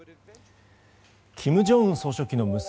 金正恩総書記の娘